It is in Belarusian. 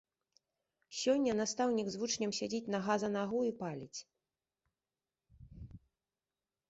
Сёння настаўнік з вучнем сядзіць нагу за нагу і паліць.